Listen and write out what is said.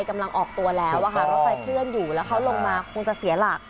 กำลังออกตัวแล้วอะค่ะรถไฟเคลื่อนอยู่แล้วเขาลงมาคงจะเสียหลัก